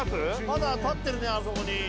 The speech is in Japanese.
まだ立ってるねあそこに。